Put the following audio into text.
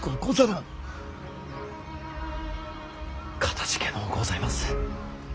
かたじけのうございます。